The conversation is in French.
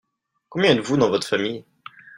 Combien êtes-vous dans votre famille ?